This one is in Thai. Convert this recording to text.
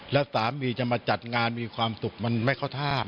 แล้วสามีจะมาจัดงานมีความสุขมันไม่เข้าท่า